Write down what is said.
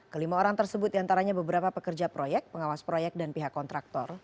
kelima orang tersebut diantaranya beberapa pekerja proyek pengawas proyek dan pihak kontraktor